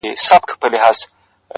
• دا به چيري خيرن سي ـ